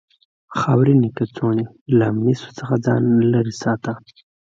خاورینې کڅوړې له مسو څخه ځان لرې ساته.